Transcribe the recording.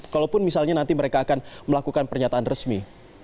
kalaupun misalnya nanti mereka akan melakukan pernyataan resmi